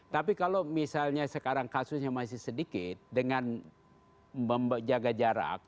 tapi kalau misalnya sekarang kasusnya masih sedikit dengan menjaga jarak